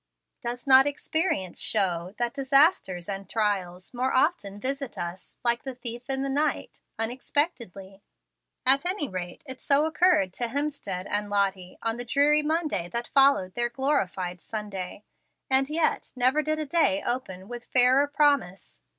Does not experience show that disasters and trials more often visit us, like the "thief in the night," unexpectedly? At any rate, it so occurred to Hemstead and Lottie on the dreary Monday that followed their glorified Sunday. And yet, never did a day open with fairer promise.